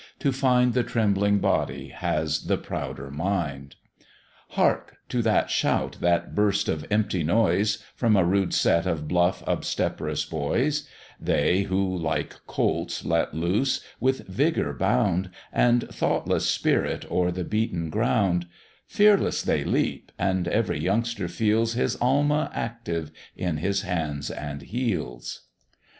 to find The trembling body has the prouder mind. Hark! to that shout, that burst of empty noise, From a rude set of bluff, obstreperous boys; They who, like colts let loose, with vigour bound, And thoughtless spirit, o'er the beaten ground; Fearless they leap, and every youngster feels His Alma active in his hands and heels.